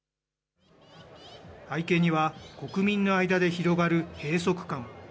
背景には、国民の間で広がる閉塞感。